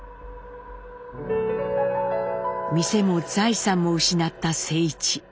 店も財産も失った静一。